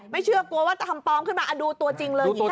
เชื่อกลัวว่าจะทำปลอมขึ้นมาดูตัวจริงเลย